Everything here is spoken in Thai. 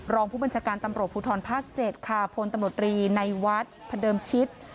รองผู้บัญชาการตำรวจภูทรภาค๗ค่ะพลตำรวจรีในวัดพระเดิมชิต